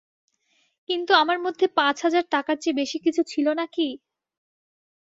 কিন্তু আমার মধ্যে পাঁচ হাজার টাকার চেয়ে বেশি কিছু ছিল না কি?